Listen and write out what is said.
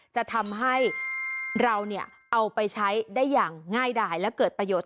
จะทำให้เราเอาไปใช้ได้อย่างง่ายดายและเกิดประโยชน์